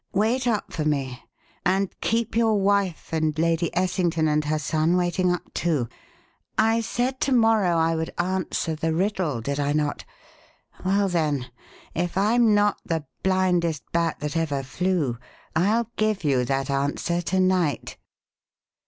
Wait up for me and keep your wife and Lady Essington and her son waiting up, too. I said to morrow I would answer the riddle, did I not? Well, then, if I'm not the blindest bat that ever flew, I'll give you that answer to night."